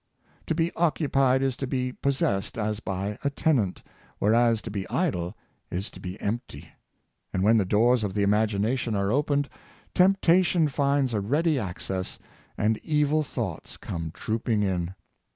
To be occupied is to be pos sessed as by a tenant, whereas to be idle is to be empty; and when the doors of the imagination are opened, temptation finds a ready access, and evil thoughts come trooping in.